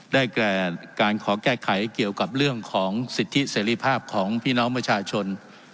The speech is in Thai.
แก่การขอแก้ไขเกี่ยวกับเรื่องของสิทธิเสรีภาพของพี่น้องประชาชน